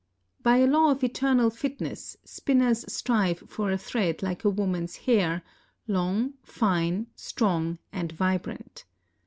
By a law of eternal fitness, spinners strive for a thread like a woman's hair, " long, fine, strong, and vibrant."